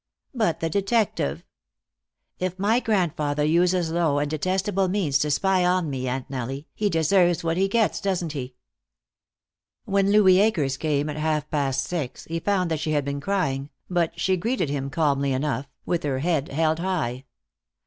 "But the detective " "If my grandfather uses low and detestable means to spy on me, Aunt Nellie, he deserves what he gets, doesn't he?" When Louis Akers came at half past six, he found that she had been crying, but she greeted him calmly enough, with her head held high.